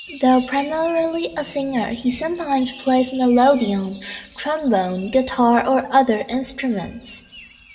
Though primarily a singer, he sometimes plays melodeon, trombone, guitar or other instruments.